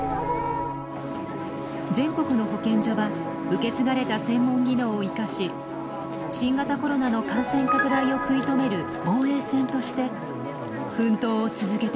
全国の保健所は受け継がれた専門技能を生かし新型コロナの感染拡大を食い止める防衛線として奮闘を続けています。